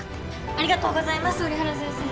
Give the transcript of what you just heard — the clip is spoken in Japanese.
ありがとうございます折原先生。